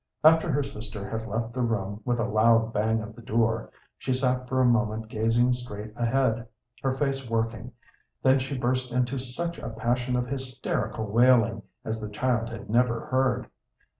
After her sister had left the room with a loud bang of the door, she sat for a moment gazing straight ahead, her face working, then she burst into such a passion of hysterical wailing as the child had never heard.